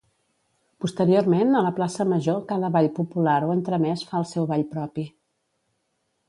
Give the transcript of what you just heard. Posteriorment a la Plaça Major cada ball popular o entremès fa el seu ball propi.